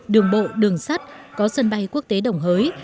đường bộ đường sắt có sân bay quốc tế đồng hới